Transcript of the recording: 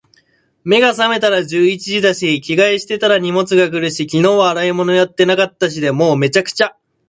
目が覚めたら十一時だし、着替えしてたら荷物が来るし、昨日は洗い物やってなかったしで……もう、滅茶苦茶。